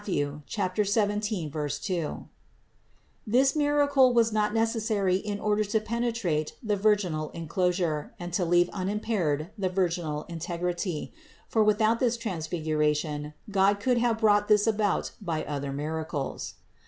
17, 2). This miracle was LIBRARY!7 1 402 CITY OF GOD not necessary in order to penetrate the virginal en closure and to leave unimpaired the virginal integrity; for without this Transfiguration God could have brought this about by other miracles.